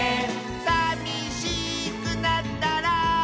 「さみしくなったら」